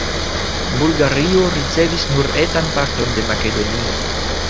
Bulgario ricevis nur etan parton de Makedonio.